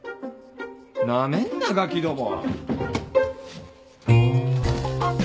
なめんなガキども！